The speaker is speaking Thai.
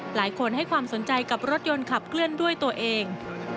หลายคนให้ความสนใจกับรถยนต์ขับเคลื่อนด้วยตัวเอง